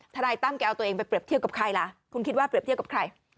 นายตั้มแกเอาตัวเองไปเรียบเทียบกับใครล่ะคุณคิดว่าเปรียบเทียบกับใคร